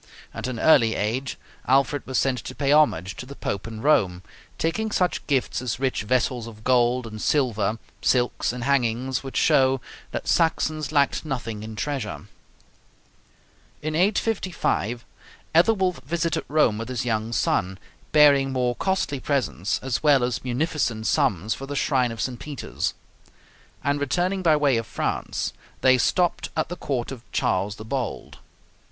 At an early age Alfred was sent to pay homage to the Pope in Rome, taking such gifts as rich vessels of gold and silver, silks, and hangings, which show that Saxons lacked nothing in treasure. In 855 Ethelwulf visited Rome with his young son, bearing more costly presents, as well as munificent sums for the shrine of St. Peter's; and returning by way of France, they stopped at the court of Charles the Bold.